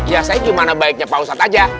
ya saya gimana baiknya pak ustadz aja